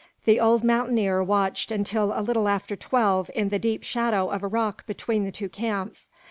The old mountaineer watched until a little after twelve in the deep shadow of a rock between the two camps.